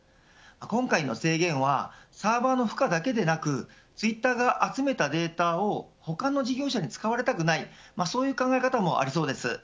今回の制限はサーバの負荷だけでなくツイッターが集めたデータを他の事業者に使われたくないそういう考え方もありそうです。